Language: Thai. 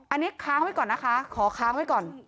อันนี้ค้างไว้ก่อนนะคะขอค้างไว้ก่อน